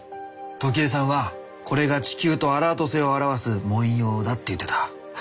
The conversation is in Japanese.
トキエさんはこれが地球とアラート星を表す紋様だって言ってた。